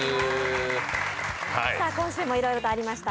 今週もいろいろとありました。